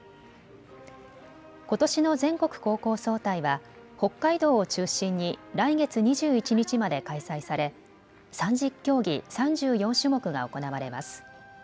ことしの全国高校総体は北海道を中心に来月２１日まで開催され３０競技３４種目が行われます。